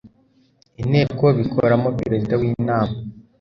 inteko bitoramo perezida w inama